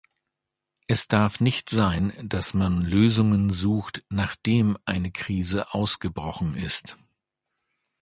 Es darf nicht sein, dass man Lösungen sucht, nachdem eine Krise ausgebrochen ist.